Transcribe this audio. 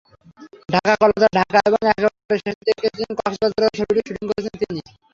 ঢাকা-কলকাতা-ঢাকা এবং একেবারে শেষের দিকে কিছুদিন কক্সবাজারেও ছবিটির শুটিং করেছেন তিনি।